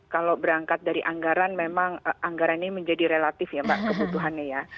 kalau berangkat dari anggaran memang anggaran ini menjadi relatif ya mbak kebutuhannya ya